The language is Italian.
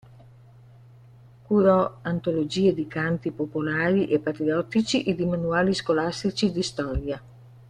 Curò antologie di canti popolari e patriottici e di manuali scolastici di storia.